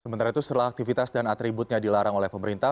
sementara itu setelah aktivitas dan atributnya dilarang oleh pemerintah